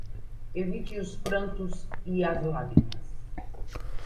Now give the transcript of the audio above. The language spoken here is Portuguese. Evite os prantos e as lágrimas